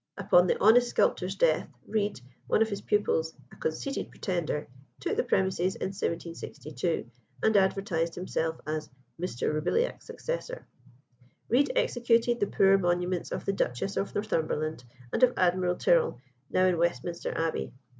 Upon the honest sculptor's death, Read, one of his pupils, a conceited pretender, took the premises in 1762, and advertised himself as "Mr. Roubilliac's successor." Read executed the poor monuments of the Duchess of Northumberland and of Admiral Tyrrell, now in Westminster Abbey.